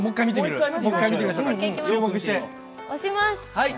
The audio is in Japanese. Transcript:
はい。